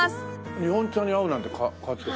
日本茶に合うなんて変わってる。